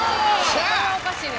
これはおかしいです。